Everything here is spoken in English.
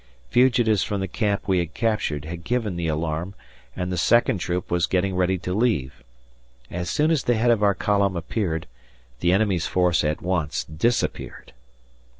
Fugitives from the camp we had captured had given the alarm, and the second troop was getting ready to leave. As soon as the head of our column appeared, the enemy's force at once disappeared.